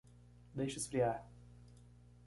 Deixe esfriar.